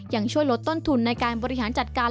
ยังช่วยลดต้นทุนในการบริหารจัดการ